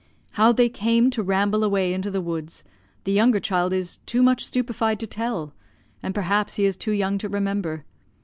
"How they came to ramble away into the woods, the younger child is too much stupified to tell; and perhaps he is too young to remember.